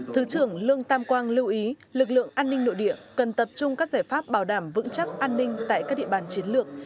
thứ trưởng lương tam quang lưu ý lực lượng an ninh nội địa cần tập trung các giải pháp bảo đảm vững chắc an ninh tại các địa bàn chiến lược